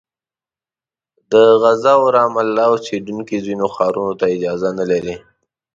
د غزه او رام الله اوسېدونکي ځینو ښارونو ته اجازه نه لري.